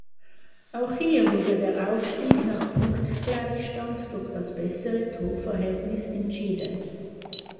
Auch hier wurde der Aufstieg nach Punktgleichstand durch das bessere Torverhältnis entschieden.